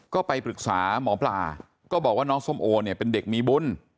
ก็ไปปรึกษาหมอปลาก็บอกว่าน้องส้มโอเนี่ยเป็นเด็กมีบุญ